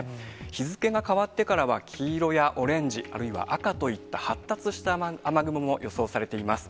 日付が変わってからは、黄色やオレンジ、あるいは赤といった、発達した雨雲も予想されています。